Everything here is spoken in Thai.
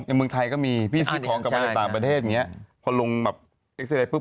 อย่างเมืองไทยก็มีพี่ซื้อของกันมาจากต่างประเทศอย่างเงี้ยพอลงแบบ